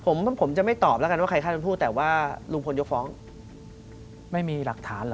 ผมผมจะไม่ตอบแล้วกันว่าใครฆ่าเป็นผู้แต่ว่าลุงพลยกฟ้องไม่มีหลักฐานเหรอ